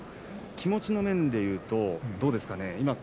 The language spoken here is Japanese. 気持ちの面でいうとどうですか。